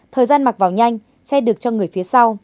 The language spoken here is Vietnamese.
thời gian mặc vào nhanh che được cho người phía sau